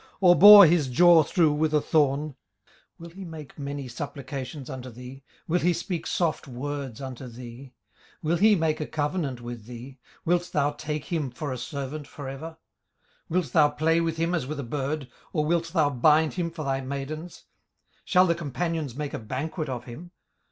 or bore his jaw through with a thorn? 18:041:003 Will he make many supplications unto thee? will he speak soft words unto thee? 18:041:004 Will he make a covenant with thee? wilt thou take him for a servant for ever? 18:041:005 Wilt thou play with him as with a bird? or wilt thou bind him for thy maidens? 18:041:006 Shall the companions make a banquet of him?